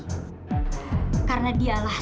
fendi karena dialah